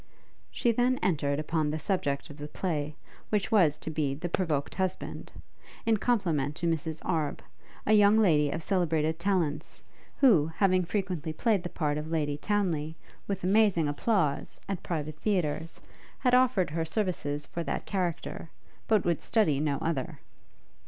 She then entered upon the subject of the play, which was to be the Provoked Husband, in compliment to Miss Arbe, a young lady of celebrated talents, who, having frequently played the part of Lady Townly, with amazing applause, at private theatres, had offered her services for that character, but would study no other.